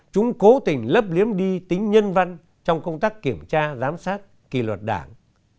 chúng cố tình lấp liếm đi tính nhân văn trong công tác kiểm tra giám sát kỳ luật đảng